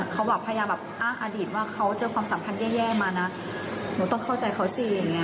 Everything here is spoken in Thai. เขาแบบพยายามแบบอ้างอดีตว่าเขาเจอความสัมพันธ์แย่มานะหนูต้องเข้าใจเขาสิอย่างนี้